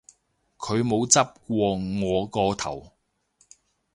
佢冇執過我個頭